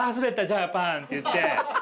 じゃあパンって言って。